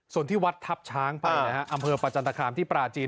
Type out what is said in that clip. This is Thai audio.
ส่วนที่วัดทัพช้างไปนะฮะอำเภอประจันตคามที่ปราจีน